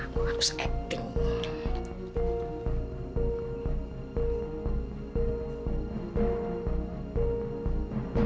gue tinggalin aja